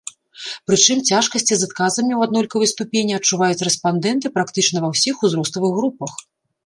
Прычым цяжкасці з адказамі ў аднолькавай ступені адчуваюць рэспандэнты практычна ва ўсіх узроставых групах.